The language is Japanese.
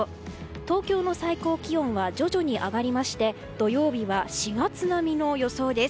東京の最高気温は徐々に上がりまして土曜日は４月並みの予想です。